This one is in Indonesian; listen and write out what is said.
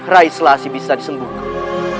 rai selasi bisa disembuhkan